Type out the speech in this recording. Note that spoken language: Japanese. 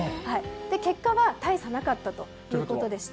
結果は大差がなかったということでした。